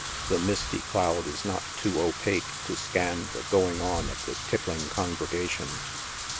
The misty cloud is not too opaque to scan the going on of the tip pling congregation.